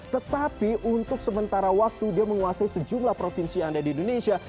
tetapi untuk sementara waktu dia menguasai sejumlah provinsi yang ada di indonesia